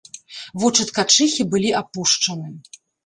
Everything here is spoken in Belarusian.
Вочы ткачыхі былі апушчаны.